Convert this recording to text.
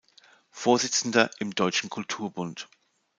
Vorsitzender im Deutschen Kulturbund.